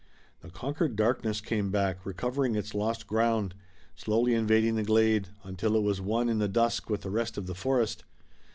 The conquered darkness came back, recovering its lost ground, slowly invading the glade, until it was one in the dusk with the rest of the forest.